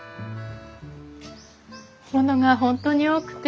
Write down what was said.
物が本当に多くて。